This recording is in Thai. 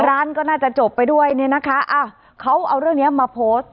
ร้านก็น่าจะจบไปด้วยเนี่ยนะคะอ้าวเขาเอาเรื่องนี้มาโพสต์